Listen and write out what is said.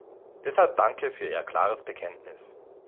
Deshalb danke für Ihr klares Bekenntnis.